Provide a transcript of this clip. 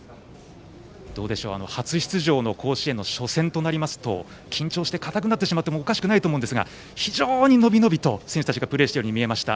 初出場の甲子園の初戦となると緊張して硬くなってしまってもおかしくないと思いますが非常に伸び伸びと選手たちがプレーしていたように見えました。